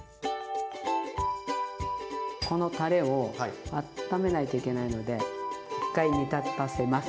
このたれをあっためないといけないので一回煮立たせます。